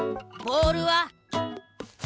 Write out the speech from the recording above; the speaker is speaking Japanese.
ボールは！？